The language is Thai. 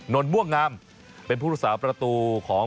นนท์ม่วงงามเป็นผู้สาวประตูของ